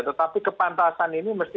tetapi kepantasan ini mesti